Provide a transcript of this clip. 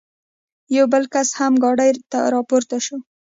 یو بل کس هم ګاډۍ ته را پورته شو.